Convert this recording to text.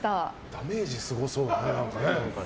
ダメージすごそうだね。